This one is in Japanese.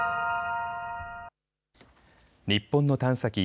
日本の探査機